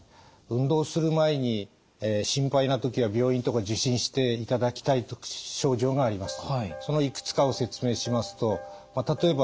運動する前に心配な時は病院とか受診していただきたい症状があります。